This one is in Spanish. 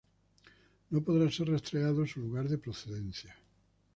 no podrá ser rastreado su lugar de procedencia